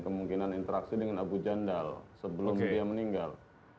kemungkinan interaksi dengan abu jandal sebelum dia meninggal